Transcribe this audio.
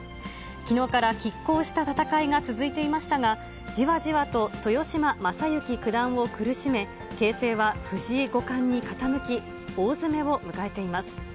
きのうからきっ抗した戦いが続いていましたが、じわじわと豊島将之九段を苦しめ、形勢は藤井五冠に傾き、大詰めを迎えています。